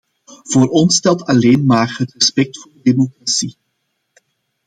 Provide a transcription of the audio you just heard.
Voor ons telt alleen maar het respect voor de democratie.